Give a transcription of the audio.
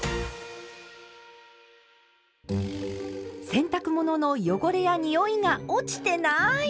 洗濯物の汚れやにおいが落ちてない！